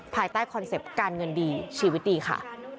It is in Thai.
ภายใต้คอนเซ็ปต์การเงินดีชีวิตดีค่ะ